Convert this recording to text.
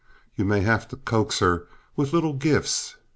You may have to coax her with little gifts.